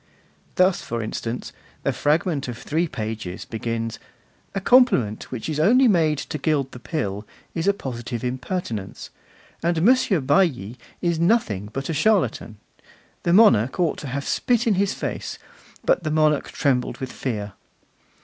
Thus, for instance, a fragment of three pages begins: 'A compliment which is only made to gild the pill is a positive impertinence, and Monsieur Bailli is nothing but a charlatan; the monarch ought to have spit in his face, but the monarch trembled with fear.